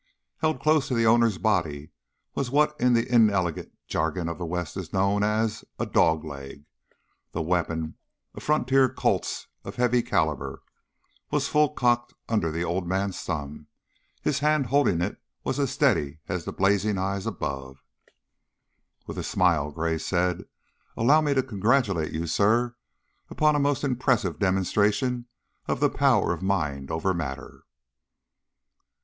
Held close to the owner's body was what in the inelegant jargon of the West is known as a "dog leg." The weapon, a frontier Colt's of heavy caliber, was full cocked under the old man's thumb; the hand holding it was as steady as the blazing eyes above. With a smile Gray said, "Allow me to congratulate you, sir, upon a most impressive demonstration of the power of mind over matter."